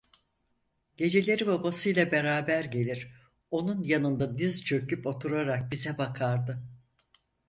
Geceleri babasıyla beraber gelir, onun yanında diz çöküp oturarak bize bakardı…